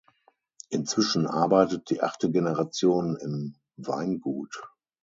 Inzwischen arbeitet die achte Generation im Weingut.